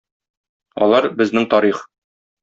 Алар - безнең тарих.